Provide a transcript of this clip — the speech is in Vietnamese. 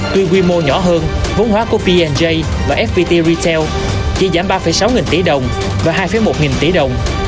tuy quy mô nhỏ hơn vốn hóa của p j và fvt retail chỉ giảm ba sáu tỷ đồng và hai một tỷ đồng